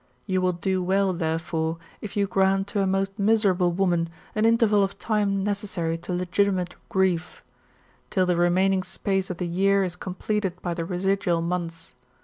You will do well, therefore, if you grant to a most miserable woman an interval of time necessary to legitimate grief; till the remaining space of the year is completed by the residual months.